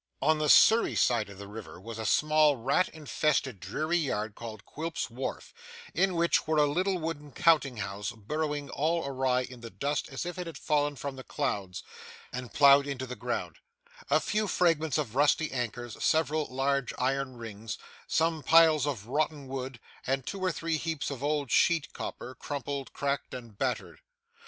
On the Surrey side of the river was a small rat infested dreary yard called 'Quilp's Wharf,' in which were a little wooden counting house burrowing all awry in the dust as if it had fallen from the clouds and ploughed into the ground; a few fragments of rusty anchors; several large iron rings; some piles of rotten wood; and two or three heaps of old sheet copper, crumpled, cracked, and battered.